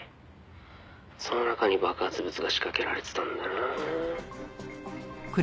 「その中に爆発物が仕掛けられてたんだな」